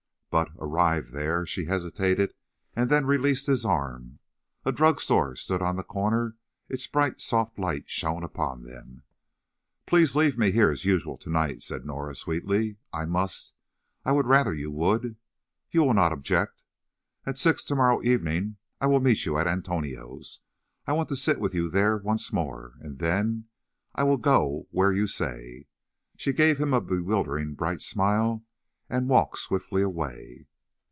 But, arrived there, she hesitated, and then released his arm. A drug store stood on the corner; its bright, soft light shone upon them. "Please leave me here as usual to night," said Norah, sweetly. "I must—I would rather you would. You will not object? At six to morrow evening I will meet you at Antonio's. I want to sit with you there once more. And then—I will go where you say." She gave him a bewildering, bright smile, and walked swiftly away.